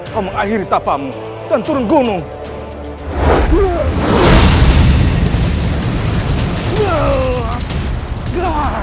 kau mengakhiri tapam dan turun gunung